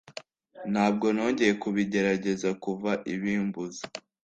Ntabwo nongeye kubigerageza kuva ibimbuza.